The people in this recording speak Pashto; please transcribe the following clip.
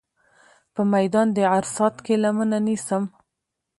په میدان د عرصات کې لمنه نیسم.